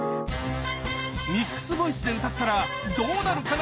ミックスボイスで歌ったらどうなるかな？